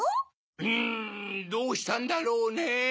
うんどうしたんだろうねぇ？